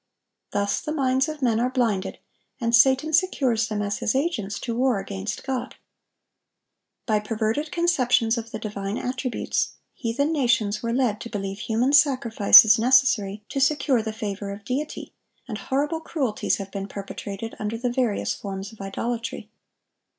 Thus the minds of men are blinded, and Satan secures them as his agents to war against God. By perverted conceptions of the divine attributes, heathen nations were led to believe human sacrifices necessary to secure the favor of Deity; and horrible cruelties have been perpetrated under the various forms of idolatry.